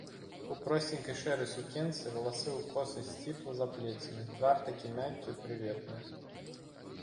У просценькай шэрай сукенцы, валасы ў косы сціпла заплецены, твар такі мяккі, прыветны.